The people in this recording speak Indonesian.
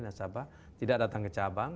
nasabah tidak datang ke cabang